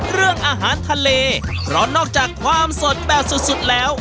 เรื่องอาหารทะเลเพราะนอกจากความสดแบบสุดสุดแล้ว